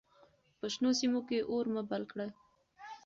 په شنو سیمو کې اور مه بل کړئ.